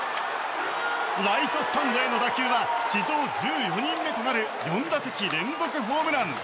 ライトスタンドへの打球は史上１４人目となる４打席連続ホームラン。